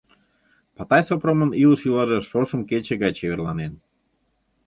Патай Сопромын илыш-йӱлаже шошым кече гай чеверланен.